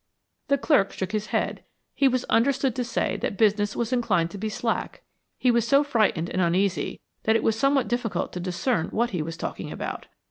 The clerk shook his head. He was understood to say that business was inclined to be slack. He was so frightened and uneasy that it was somewhat difficult to discern what he was talking about.